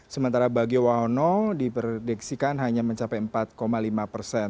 sementara bagio wayono di prediksikan hanya mencapai empat lima persen